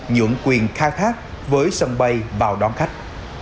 nhuận quyền khai thác với sân bay vào đón khách